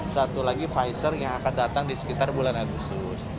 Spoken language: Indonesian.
satu lagi pfizer yang akan datang di sekitar bulan agustus